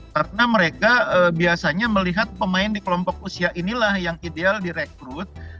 karena mereka biasanya melihat pemain di kelompok usia inilah yang ideal direkrut